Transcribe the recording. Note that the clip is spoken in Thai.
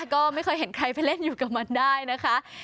ก็ไม่เคยเห็นใครไปเล่นอยู่กับมันได้นะคะ